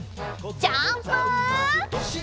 ジャンプ！